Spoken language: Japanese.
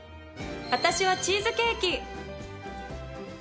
私はチーズケーキ！